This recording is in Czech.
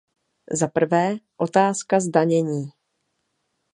Za prvé, otázka zdanění.